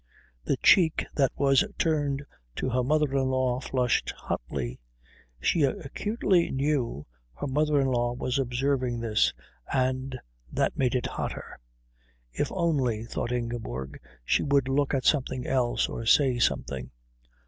The cheek that was turned to her mother in law flushed hotly. She acutely knew her mother in law was observing this, and that made it hotter. If only, thought Ingeborg, she would look at something else or say something.